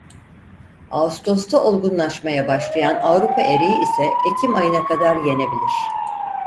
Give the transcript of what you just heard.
Ağustosta olgunlaşmaya başlayan Avrupa eriği ise ekim ayına kadar yenebilir.